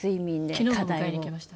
昨日も迎えに行きました。